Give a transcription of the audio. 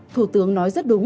thủ tướng nói rất đúng